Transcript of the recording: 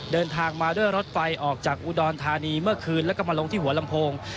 เดินทางมาด้วยรถไฟออกจากอุดรธานีเมื่อคืนแล้วก็มาลงที่หัวลำโพง